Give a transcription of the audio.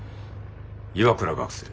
岩倉学生。